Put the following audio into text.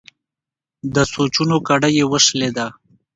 د سوچونو کړۍ یې وشلېده.